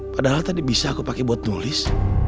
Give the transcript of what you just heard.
padahal tadi bisa aku pakai buat nulis